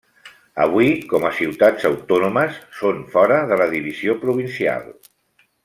Avui, com a ciutats autònomes són fora de la divisió provincial.